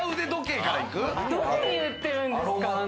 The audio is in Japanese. どこに売ってるんですか？